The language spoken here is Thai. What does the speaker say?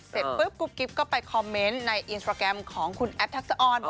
เสร็จปุ๊บกุ๊บกิ๊บก็ไปคอมเมนต์ในอินสตราแกรมของคุณแอฟทักษะออน